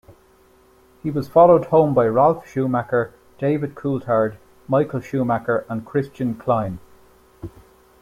He was followed home by Ralf Schumacher, David Coulthard, Michael Schumacher and Christian Klien.